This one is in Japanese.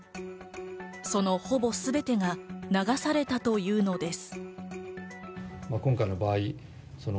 そのほぼすべてが流されたというのです。